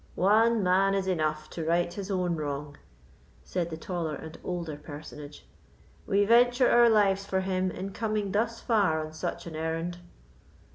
"One man is enough to right his own wrong," said the taller and older personage; "we venture our lives for him in coming thus far on such an errand."